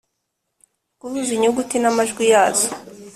-guhuza inyuguti n’amajwi yazo;